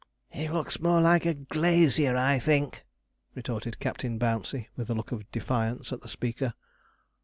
'He looks more like a glazier, I think,' retorted Captain Bouncey, with a look of defiance at the speaker.